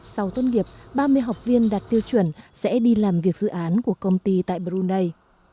sau tuân nghiệp ba mươi học viên đạt tiêu chuẩn sẽ đi làm việc dự án của công ty tại brunei